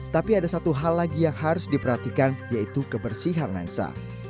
tapi ada satu hal lagi yang harus diperhatikan yaitu kebersihan lengsa